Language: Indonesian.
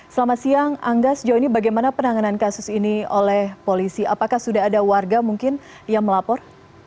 selamat siang angga sejauh ini bagaimana penanganan kasus ini oleh polisi apakah sudah ada warga mungkin yang melapor